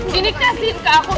sini kasihin ke aku